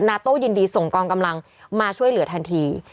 โต้ยินดีส่งกองกำลังมาช่วยเหลือทันที